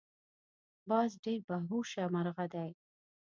باز ډیر باهوشه مرغه دی